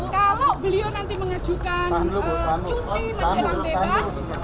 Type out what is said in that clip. kalau beliau nanti mengajukan cuti menjelang bebas